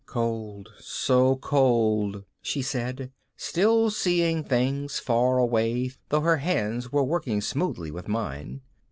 "Cold, so cold," she said, still seeing things far away though her hands were working smoothly with mine.